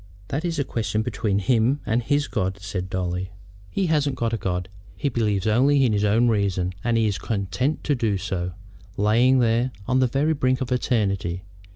"That is a question between him and his God," said Dolly. "He hasn't got a God. He believes only in his own reason, and is content to do so, lying there on the very brink of eternity.